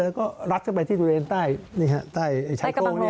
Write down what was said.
แล้วก็รัดเข้าไปที่ตุเรนใต้นี่ฮะใต้ชายโกงนี้